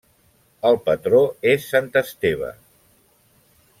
El patró és Sant Esteve.